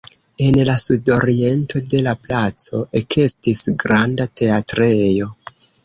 En la sudoriento de la placo ekestis granda teatrejo.